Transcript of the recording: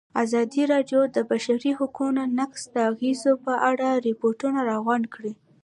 ازادي راډیو د د بشري حقونو نقض د اغېزو په اړه ریپوټونه راغونډ کړي.